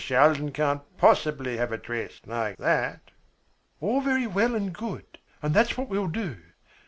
Shaldin can't possibly have a dress like that." "All very well and good, and that's what we'll do.